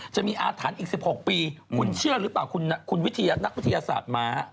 จะมีอาถรรพ์อีก๑๖ปีคุณเชื่อหรือเปล่าคุณนักวิทยาศาสตร์